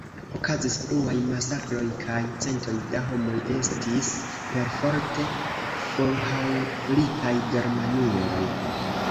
Okazis pluaj masakroj kaj centoj da homoj estis perforte forhaŭlitaj Germanion.